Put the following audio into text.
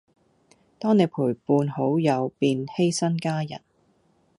當你陪伴好友便犧牲家人